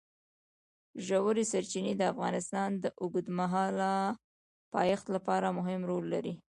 ژورې سرچینې د افغانستان د اوږدمهاله پایښت لپاره مهم رول لري.